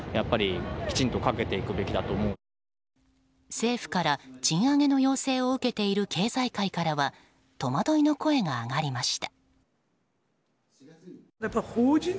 政府から賃上げの要請を受けている経済界からは戸惑いの声が上がりました。